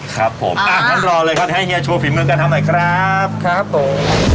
ครับผมอ่ะงั้นรอเลยครับให้เฮียโชว์ฝีมือการทำหน่อยครับครับผม